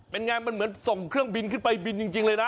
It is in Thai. เป็นไงมันเหมือนส่งเครื่องบินขึ้นไปบินจริงเลยนะ